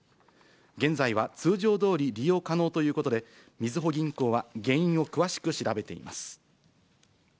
現在は通常どおり利用可能ということで、みずほ銀行は原因を詳しく調べています。